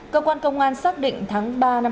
cơ quan công an xác định tháng ba năm hai nghìn hai mươi